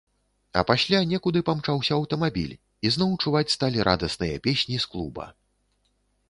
А пасля некуды памчаўся аўтамабіль, і зноў чуваць сталі радасныя песні з клуба.